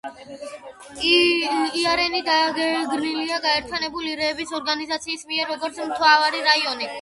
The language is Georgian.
იარენი დადგენილია გაერთიანებული ერების ორგანიზაციის მიერ, როგორც „მთავარი რაიონი“.